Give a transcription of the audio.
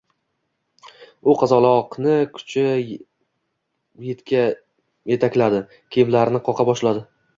U qizaloqni kuchib chetga yetakladi, kiyimlarini qoqa boshladi.